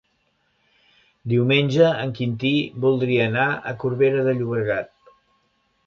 Diumenge en Quintí voldria anar a Corbera de Llobregat.